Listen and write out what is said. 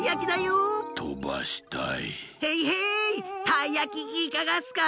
たいやきいかがっすか？